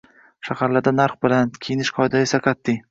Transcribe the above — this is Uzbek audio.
Shaharda narxlar baland, kiyinish qoidalari esa qat’iy